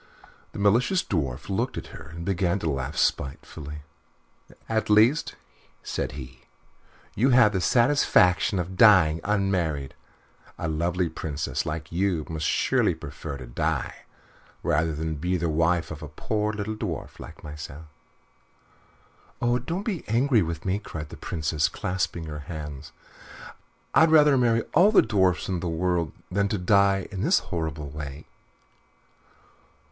The malicious Dwarf looked at her and began to laugh spitefully. "At least," said he, "you have the satisfaction of dying unmarried. A lovely Princess like you must surely prefer to die rather than be the wife of a poor little dwarf like myself." "Oh, don't be angry with me," cried the Princess, clasping her hands. "I'd rather marry all the dwarfs in the world than die in this horrible way."